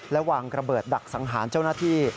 และวางระเบิดดักสังหารเจ้าหน้าที่